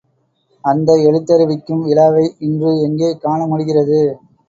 அந்த எழுத்தறிவிக்கும் விழாவை இன்று எங்கே காண முடிகிறது?